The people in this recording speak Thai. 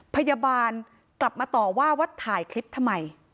พยาบาลกลับมาต่อว่าว่าถ่ายคลิปทำไม